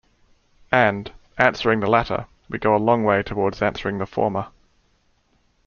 And, answering the latter, we go a long way toward answering the former.